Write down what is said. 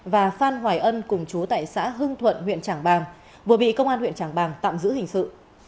và phan hoài ân cùng chú tại xã hưng thuận huyện trảng bàng vừa bị công an huyện trảng bàng tạm giữ hình sự